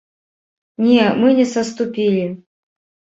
Не, мы не саступілі!